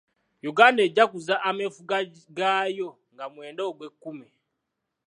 Uganda ejaguza ameefuga gaayo nga mwenda ogwekkumi.